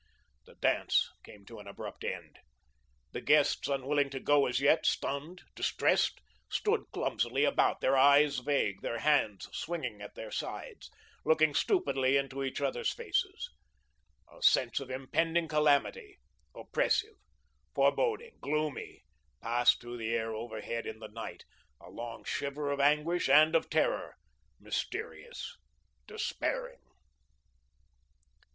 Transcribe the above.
The dance came to an abrupt end. The guests, unwilling to go as yet, stunned, distressed, stood clumsily about, their eyes vague, their hands swinging at their sides, looking stupidly into each others' faces. A sense of impending calamity, oppressive, foreboding, gloomy, passed through the air overhead in the night, a long shiver of anguish and of terror, mysterious, despairing.